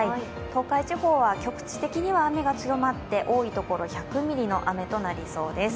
東海地方は局地的には雨が強まって多い所で１００ミリの雨となりそうです。